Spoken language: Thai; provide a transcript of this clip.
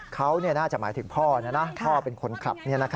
เขาน่าจะหมายถึงพ่อพ่อเป็นคนขับ